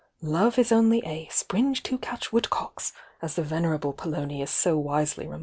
Love is only 'a sSS to catch woodcocks!' as the venerable Poloniuslo whn r '"'"^k''!'